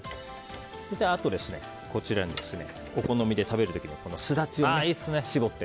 あと、お好みで食べる時にスダチを搾って。